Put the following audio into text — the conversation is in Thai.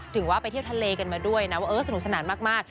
ถือว่าไปเที่ยวทะเลกันมาด้วยนะว่าเออสนุกสนานมาก